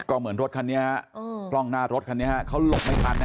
ก็เหมือนรถคันนี้ฮะกล้องหน้ารถคันนี้ฮะเขาหลบไม่ทัน